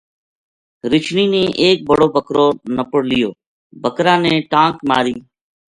رچھنی نے ایک بڑو بکرو نپڑ لیو بکرا نے ٹانک ماری